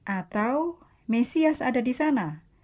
atau mesias ada di sana